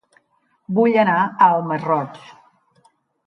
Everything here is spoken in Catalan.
Vull anar a El Masroig